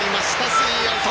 スリーアウト。